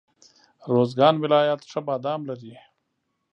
روزګان ولایت ښه بادام لري.